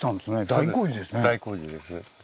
大工事です。